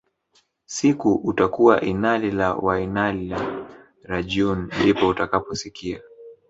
siku utakua innalillah wainnailah rajiuun ndipoo utakaposikia